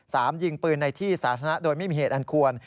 ยิงปืนในที่สาธารณะโดยไม่มีเหตุอันควร